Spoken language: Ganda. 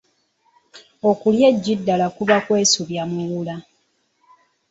Okulya eggi ddala kuba kwesubya muwuula.